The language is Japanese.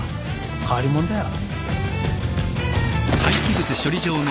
変わり者だよ。